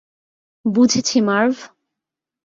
বুঝেছি, মার্ভ।